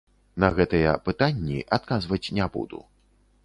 На гэтыя пытанні адказваць не буду.